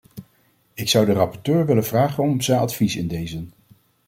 Ik zou de rapporteur willen vragen om zijn advies in dezen.